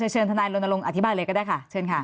เชิญทนายรณรงค์อธิบายเลยก็ได้ค่ะเชิญค่ะ